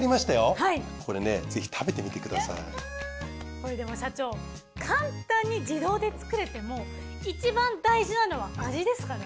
これでも社長簡単に自動で作れてもいちばん大事なのは味ですからね。